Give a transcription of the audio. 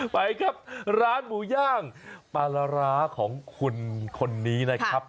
ไปครับร้านหมูย่างปลาร้าของคุณคนนี้นะครับ